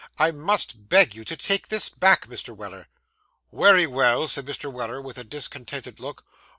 I must beg you to take this back, Mr. Weller.' Wery well,' said Mr. Weller, with a discontented look.